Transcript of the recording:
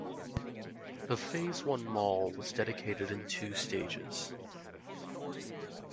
The Phase One mall was dedicated in two stages.